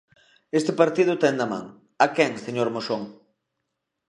Este partido tende a man ¿a quen, señor Moxón?